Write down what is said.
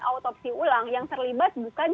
autopsi ulang yang terlibat bukan